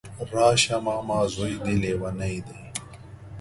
راشه ماما ځوی دی ليونی دی